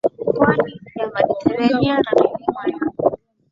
pwani ya Mediteranea na milima ya